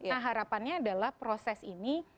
nah harapannya adalah proses ini